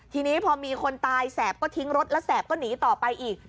ทีนี้พอมีคนตายแสบก็ทิ้งรถแล้วแสบก็หนีต่อไปอีก